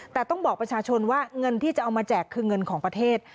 แต่ต้องบอกประชาชนว่าเงินที่จะเอามาแจกคือเงินของประเทศ